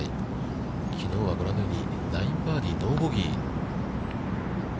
きのうは、ご覧のように、９バーディー、ノーボギー。